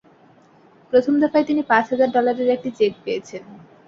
প্রথম দফায় তিনি পাঁচ হাজার ডলারের একটি চেক পেয়েছেন।